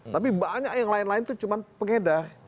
tapi banyak yang lain lain itu cuma pengedar